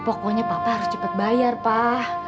pokoknya papa harus cepat bayar pak